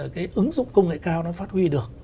cái ứng dụng công nghệ cao nó phát huy được